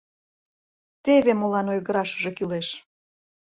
Теве молан ойгырашыже кӱлеш!